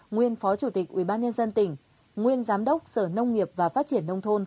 nguyên phó chủ tịch ủy ban nhân dân tỉnh nguyên giám đốc sở nông nghiệp và phát triển nông thôn